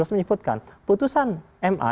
menyebutkan putusan ma